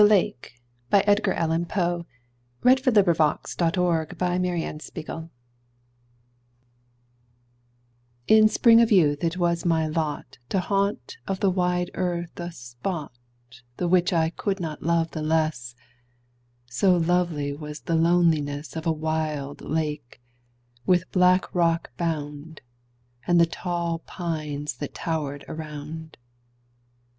Have brought a specimen Upon their quivering wings. 1831. THE LAKE —— TO—— In spring of youth it was my lot To haunt of the wide earth a spot The which I could not love the less— So lovely was the loneliness Of a wild lake, with black rock bound, And the tall pines that tower'd around.